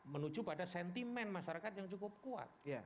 menuju pada sentimen masyarakat yang cukup kuat